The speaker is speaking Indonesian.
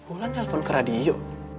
ulan telpon ke radio